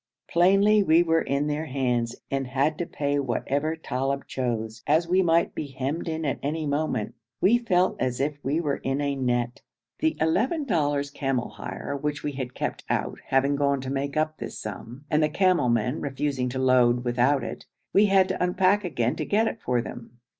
Plainly we were in their hands, and had to pay whatever Talib chose, as we might be hemmed in at any moment. We felt as if we were in a net. The eleven dollars camel hire which we had kept out having gone to make up this sum, and the camel men refusing to load without it, we had to unpack again to get it for them.